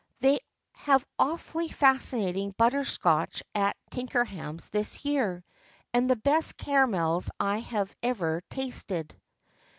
They have awfully fascinating butter scotch at Tink ham's this year, and the best caramels I ever tasted.